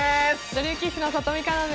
女流棋士の里見香奈です！